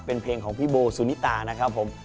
เป็นเพลงของพี่โบสุนิตานะครับผม